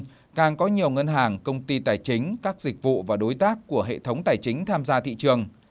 nhưng càng có nhiều ngân hàng công ty tài chính các dịch vụ và đối tác của hệ thống tài chính tham gia thị trường